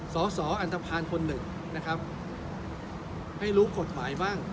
สอสออันตภัณฑ์คนหนึ่งนะครับให้รู้กฎหมายบ้าง